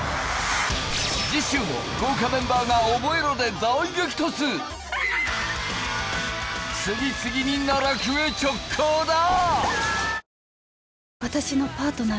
次週も豪華メンバーが「オボエロ！」で大激突次々に奈落へ直行だ！